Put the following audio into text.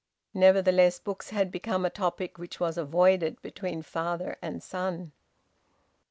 Nevertheless books had become a topic which was avoided between father and son.